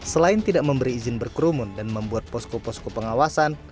selain tidak memberi izin berkerumun dan membuat posko posko pengawasan